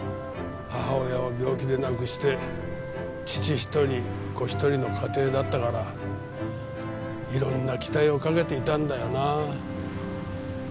母親を病気で亡くして父１人子１人の家庭だったから色んな期待をかけていたんだよなあ。